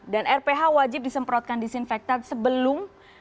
dan rph wajib disemprotkan disinfektan sebelum dan setelah